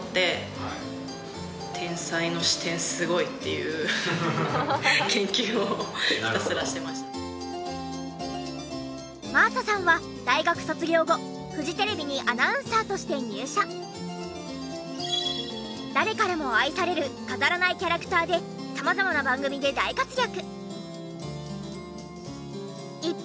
ここで真麻さんは大学卒業後誰からも愛される飾らないキャラクターで様々な番組で大活躍！